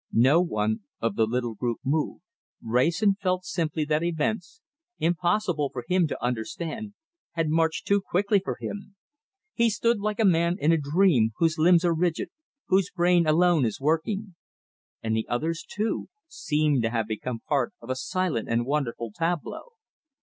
No one of the little group moved. Wrayson felt simply that events, impossible for him to understand, had marched too quickly for him. He stood like a man in a dream, whose limbs are rigid, whose brain alone is working. And the others, too, seemed to have become part of a silent and wonderful tableau.